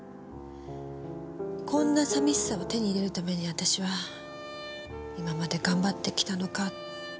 こんな寂しさを手に入れるために私は今まで頑張ってきたのか。